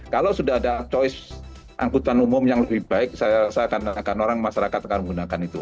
kalau sudah ada choice angkutan umum yang lebih baik saya akan orang masyarakat akan menggunakan itu